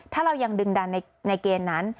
ถ้าเรายังดึงดันในเกณฑ์นั้น